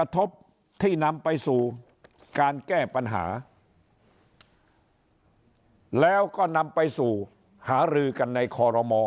ที่นำไปสู่การแก้ปัญหาแล้วก็นำไปสู่หารือกันในคอรมอ